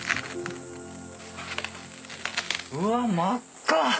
うわっ真っ赤！